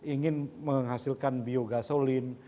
ingin menghasilkan biogasolin